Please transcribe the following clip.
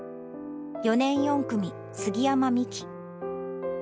４年４組、杉山美貴。